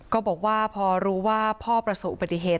ก็บอกว่าพอรู้ว่าพ่อประสบอุบัติเหตุ